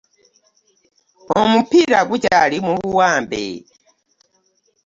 Omupiira gukyali mu buwambe.